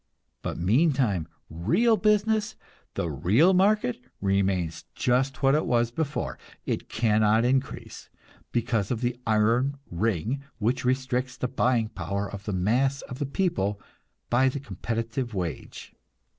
But meantime real business, the real market, remains just what it was before; it cannot increase, because of the iron ring which restricts the buying power of the mass of the people by the competitive wage.